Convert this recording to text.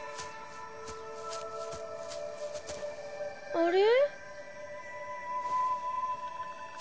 あれ？